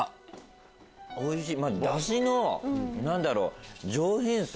おいしい！